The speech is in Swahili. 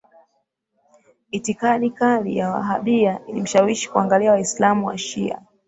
Itikadi kali ya Wahabiya ilimshawishi kuangalia Waislamu Washia